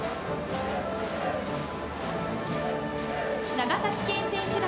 長崎県選手団。